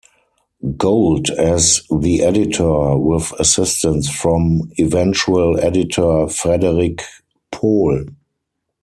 Gold as the editor, with assistance from eventual editor Frederik Pohl.